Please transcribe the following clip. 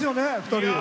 ２人。